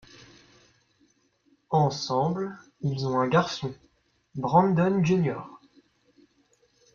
Ensemble, ils ont un garçon, Brandon Jr.